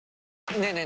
ねえねえ